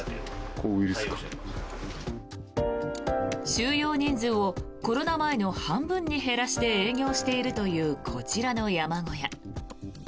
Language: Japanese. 収容人数をコロナ前の半分に減らして営業しているというこちらの山小屋。